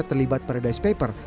terlibat paradise papers